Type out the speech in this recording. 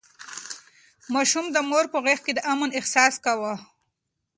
ماشوم د مور په غېږ کې د امن احساس کاوه.